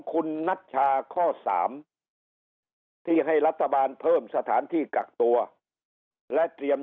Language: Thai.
คุณนัชชาข้อ๓ที่ให้รัฐบาลเพิ่มสถานที่กักตัวและเตรียม